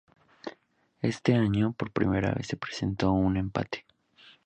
Este año, por primera vez se presentó un empate.